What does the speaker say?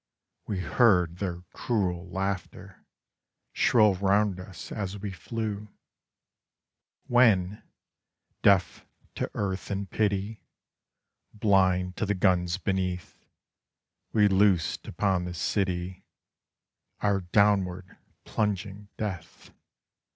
We heard their cruel laughter, Shrill round us, as we flew: When, deaf to earth and pity, Blind to the guns beneath, We loosed upon the city Our downward plunging death.